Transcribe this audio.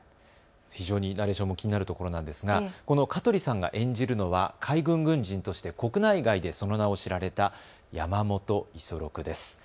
非常にナレーションも気になるところなんですがこの香取さんが演じるのは海軍軍人として国内外でその名を知られた山本五十六です。